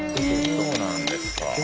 そうなんですか。